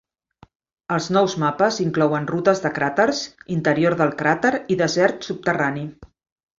Els nous mapes inclouen rutes de craters, interior del cràter i desert subterrani.